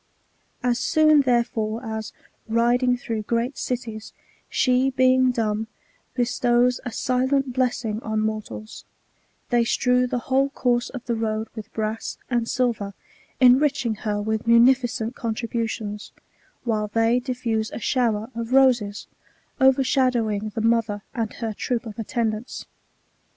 As soon, therefore, as, riding through great cities, she, being dumb, bestows a silent blessing on mortals, they strew the whole course of the road with brass and silver, enriching her with munificent contributions ; while they diffuse a shower of voses, overshadowing the mother and her troop of attend ants.